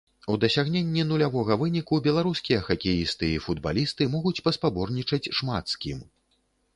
У дасягненні нулявога выніку беларускія хакеісты і футбалісты могуць паспаборнічаць шмат з кім.